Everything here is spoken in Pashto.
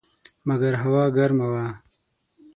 مګر هوا ګرمه وه.